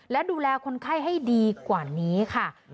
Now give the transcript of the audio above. และดูแลคนไข้ให้ดีกว่านี้ค่ะ